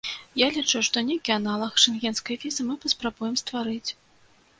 Я лічу, што нейкі аналаг шэнгенскай візы мы паспрабуем стварыць.